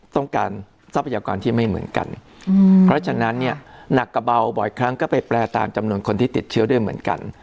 ทรัพยากรที่ไม่เหมือนกันเพราะฉะนั้นเนี่ยหนักกระเบาบ่อยครั้งก็ไปแปลตามจำนวนคนที่ติดเชื้อด้วยเหมือนกัน